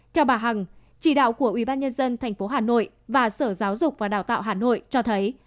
theo bà hằng chỉ đạo của ủy ban nhân dân tp hà nội và sở giáo dục và đào tạo hà nội cho thấy